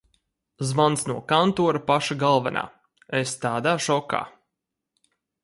Zvans no kantora paša galvenā. Es tādā šokā.